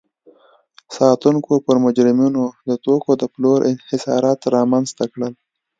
ساتونکو پر مجرمینو د توکو د پلور انحصارات رامنځته کړل.